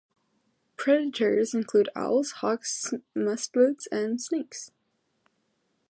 Predators include owls, hawks, mustelids, and snakes.